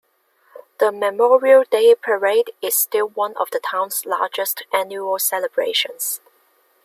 The Memorial Day parade is still one of the town's largest annual celebrations.